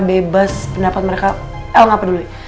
bebas pendapat mereka el gak peduli